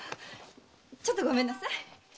ちょっとごめんなさい。